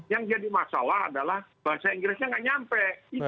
yang jadi masalah adalah bahasa inggrisnya nggak nyampe